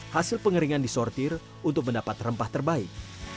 hasil pengeringan disortir untuk mendapat rempah terbaik